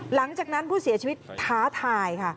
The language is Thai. หลังจากนั้นผู้เสียชีวิตท้าทายค่ะ